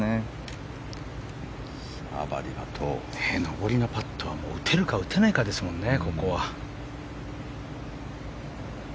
上りのパットは、ここは打てるか打てないかですもんね。